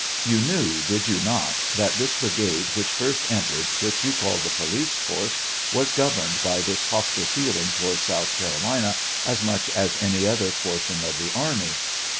You knew, did you not, that this brigade which first entered, which you called the police force, was governed by this hostile feeling towards South Carolina as much as any other portion of the army